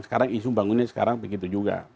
sekarang isu bangunnya sekarang begitu juga